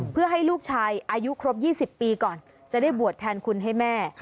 เพื่อให้ลูกชายอายุครบ๒๐ปีก่อนจะได้บวชแทนคุณให้แม่